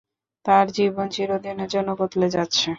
তার জীবন চিরদিনের জন্য বদলে যাচ্ছে।